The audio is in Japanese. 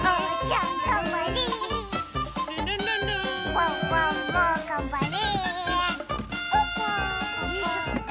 ワンワンもがんばれ。